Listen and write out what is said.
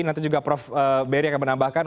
nanti juga prof beri akan menambahkan